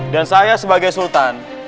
dan saya sebagai sultan